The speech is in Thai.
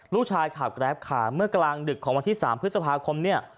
ลูกชายขับแกรปขาเมื่อกลางดึกของวันที่๓พฤษภาคมเนี่ย